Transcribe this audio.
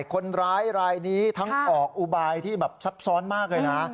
คนร้ายรายนี้ทั้งออกอุบายที่แบบซับซ้อนมากเลยนะ